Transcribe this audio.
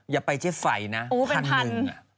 อย่าไปเจ๊ไฝนะ๑๐๐๐นึง